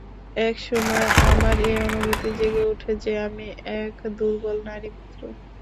এক সময় আমার এ অনুভূতি জেগে ওঠে যে, আমি এক দুর্বল নারী মাত্র।